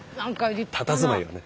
たたずまいがね。